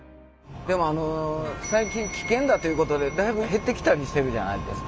でもあの最近危険だということでだいぶ減ってきたりしてるじゃないですか。